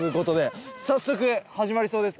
早速始まりそうです。